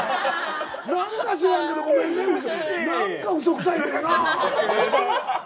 何か知らんけどごめんね何か嘘くさいねんな。